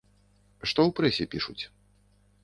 Што ў прэсе пішуць?